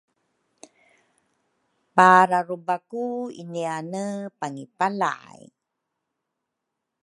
pararubaku iniane pangipalay.